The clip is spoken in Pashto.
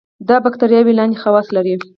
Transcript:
دا باکتریاوې لاندې خواص لري.